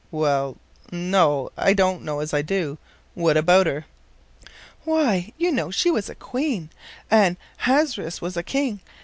"Well, no, I don't know as I do. What about her?" "Why, you know, she was a queen, and' Hazuerus was a king.